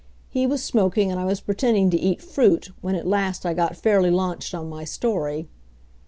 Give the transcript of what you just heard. He was smoking and I was pretending to eat fruit when at last I got fairly launched on my story.